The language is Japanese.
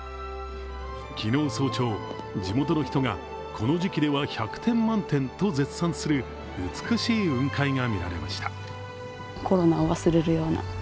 昨日早朝、地元の人がこの時期では１００点満点と絶賛する美しい雲海が見られました。